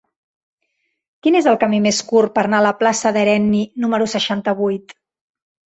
Quin és el camí més curt per anar a la plaça d'Herenni número seixanta-vuit?